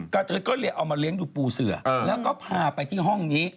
เธอก็เลยเอามาเลี้ยงดูปูเสือแล้วก็พาไปที่ห้องนี้